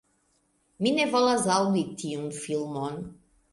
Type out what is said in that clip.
Mi ne volas aŭdi tiun filmon!